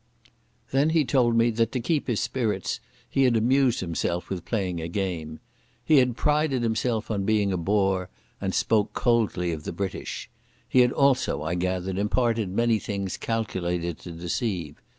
Then he told me that to keep up his spirits he had amused himself with playing a game. He had prided himself on being a Boer, and spoken coldly of the British. He had also, I gathered, imparted many things calculated to deceive.